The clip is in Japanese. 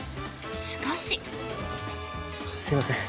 しかし。すみません。